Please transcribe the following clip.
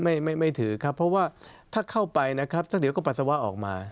ไม่ไม่ถือครับเพราะว่าถ้าเข้าไปนะครับสักเดี๋ยวก็ปัสสาวะออกมา